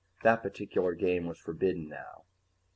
That particular game was forbidden now.